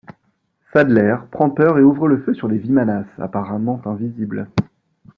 Sadler, prend peur et ouvre le feu sur les vimanas apparemment invisibles.